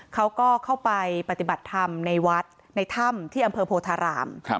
เขาก็เข้าไปปฏิบัติธรรมในวัดในถ้ำที่อำเภอโพธาราม